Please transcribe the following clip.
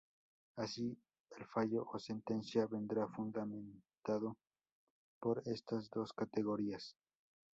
Así, el fallo o sentencia vendrá fundamentado por estas dos categorías.